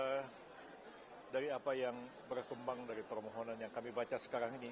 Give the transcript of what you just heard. karena dari apa yang berkembang dari permohonan yang kami baca sekarang ini